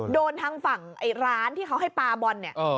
โดนทางฝั่งร้านที่เขาให้ปลาบอน